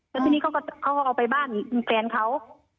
แล้วทีนี้เขาก็เอาไปบ้านแฟนเขา